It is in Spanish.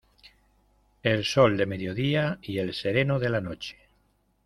El sol del mediodía y el sereno de la noche.